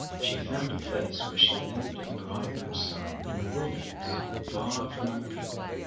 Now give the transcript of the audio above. She found a place where she lived and brought up her son in the wilderness, far from other people.